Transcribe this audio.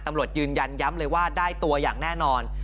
ตำรวจยืนยันย้ำเลยว่าได้ตัวอย่างแน่นอน